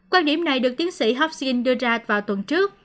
quan điểm này được tiến sĩ hocin đưa ra vào tuần trước